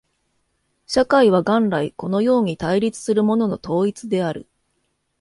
社会は元来このように対立するものの統一である。